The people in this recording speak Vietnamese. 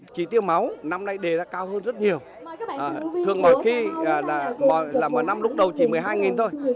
chỉ tiêu máu năm nay đề ra cao hơn rất nhiều thường mọi khi là một năm lúc đầu chỉ một mươi hai thôi